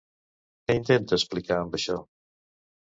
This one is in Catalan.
Què intenta explicar amb això?